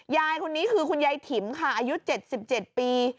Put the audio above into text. ยายคนนี้คือคุณยายถิมค่ะอายุ๗๗ปี